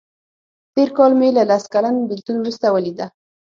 تېر کال مې له لس کلن بیلتون وروسته ولیده.